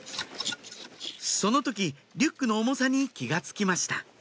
その時リュックの重さに気が付きました